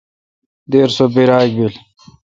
دیر سو بیراگ بل۔